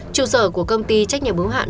trụ sở của công ty trách nhiệm ứng hạn